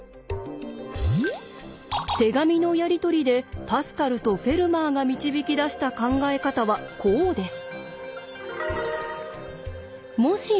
手紙のやり取りでパスカルとフェルマーが導き出した考え方はこうです。